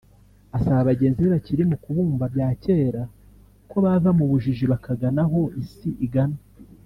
Asaba bagenzi be bakiri mu kubumba bya kera ko bava mu bujiji bakagana aho Isi igana